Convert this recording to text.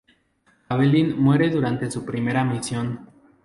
Javelin muere durante su primera misión.